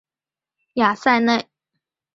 雅塞内。